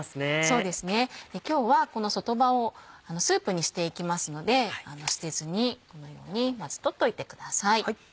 そうですね今日はこの外葉をスープにしていきますので捨てずにこのようにまず取っといてください。